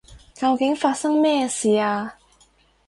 究竟發生咩事啊？